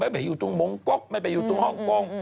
ไปอยู่ตรงมงก๊กไม่ไปอยู่ตรงฮ่องกง